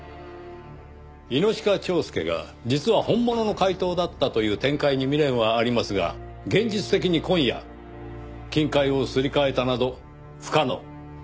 猪鹿蝶助が実は本物の怪盗だったという展開に未練はありますが現実的に今夜金塊をすり替えたなど不可能。